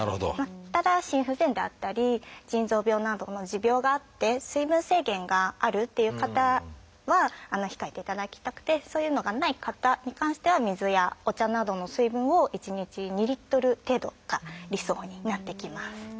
ただ心不全であったり腎臓病などの持病があって水分制限があるっていう方は控えていただきたくてそういうのがない方に関しては水やお茶などの水分を１日２Ｌ程度が理想になってきます。